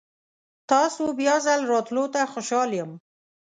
تاسو بیا ځل راتلو ته خوشحال یم.